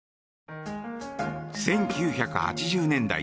１９８０年代